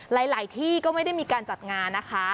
หลายที่ก็ไม่ได้มีการจัดงานนะคะ